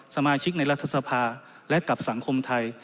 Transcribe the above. สมาชิกในรัฐสภาและกับสังคมไทย